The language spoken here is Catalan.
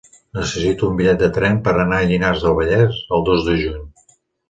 Necessito un bitllet de tren per anar a Llinars del Vallès el dos de juny.